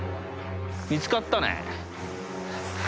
見つかったね。